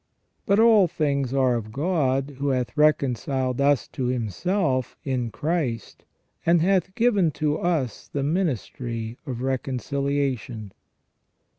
But all things are of God, who hath reconciled us to Himself in Christ, and hath given to us the ministry of reconciliation."